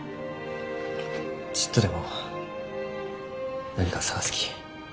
ちっとでも何か探すき。